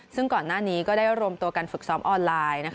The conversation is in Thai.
ซึ่งก่อนหน้านี้ก็ได้รวมตัวกันฝึกซ้อมออนไลน์